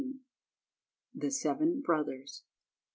THE SEVEN BROTHERS.